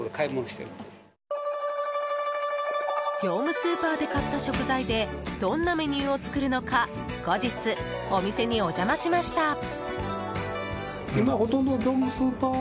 業務スーパーで買った食材でどんなメニューを作るのか後日、お店にお邪魔しました。